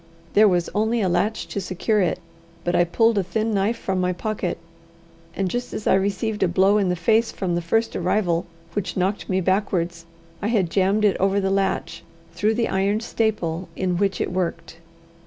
There was only a latch to secure it, but I pulled a thin knife from my pocket, and just as I received a blow in the face from the first arrival which knocked me backwards, I had jammed it over the latch through the iron staple in which it worked.